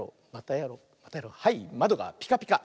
はいまどがピカピカ。